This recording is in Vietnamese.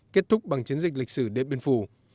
kết thúc bằng chiến dịch lịch sử điện biên phủ